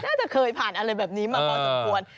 น่าจะเคยผ่านอะไรแบบนี้มาพอสมควร